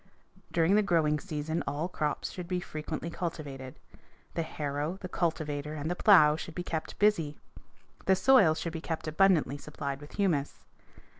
During the growing season all crops should be frequently cultivated. The harrow, the cultivator, and the plow should be kept busy. The soil should be kept abundantly supplied with humus.